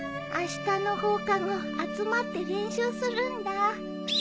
あしたの放課後集まって練習するんだ。